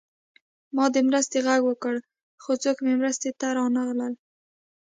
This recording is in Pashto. ما د مرستې غږ وکړ خو څوک مې مرستې ته رانغلل